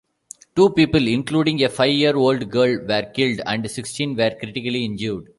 Two people, including a five-year-old girl were killed, and sixteen were critically injured.